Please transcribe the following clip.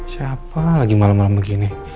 siapa lagi malam malam begini